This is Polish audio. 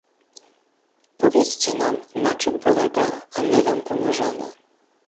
Powiedzcie nam, na czym polega, a my wam pomożemy